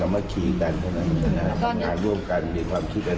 มีคนเอก